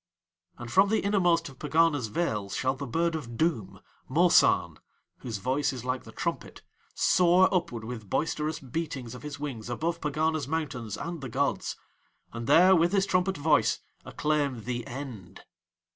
And from the innermost of Pegana's vales shall the bird of doom, Mosahn, whose voice is like the trumpet, soar upward with boisterous beatings of his wings above Pegana's mountains and the gods, and there with his trumpet voice acclaim THE END.